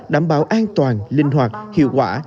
đảm bảo an toàn linh hoạt hiệu quả